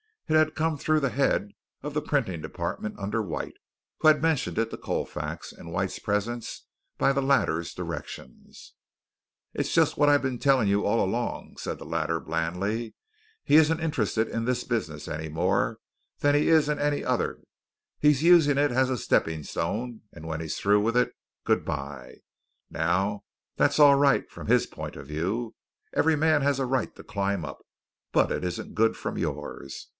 It had come through the head of the printing department under White, who had mentioned it to Colfax in White's presence by the latter's directions. "It's just what I've been telling you all along," said the latter blandly. "He isn't interested in this business any more than he is in any other. He's using it as a stepping stone, and when he's through with it, good bye. Now that's all right from his point of view. Every man has a right to climb up, but it isn't so good from yours.